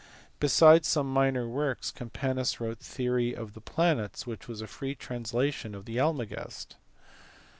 Besides some minor works Campanus wrote the Theory of the Planets, which was a free translation of the Almagest.